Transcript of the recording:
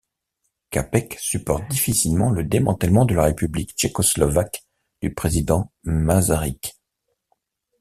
Čapek supporte difficilement le démantèlement de la République tchécoslovaque du président Masaryk.